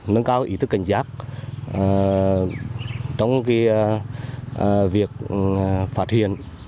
nâng cao ý thức cảnh giác trong việc phát hiện